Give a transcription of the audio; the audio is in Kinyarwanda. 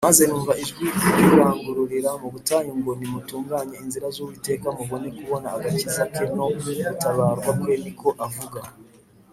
maze numva Ijwi ryurangurira mu butayu ngo nimutunganye Inzira z’Uwiteka mubone kubona agakiza ke no gutabarwa kwe niko avuga.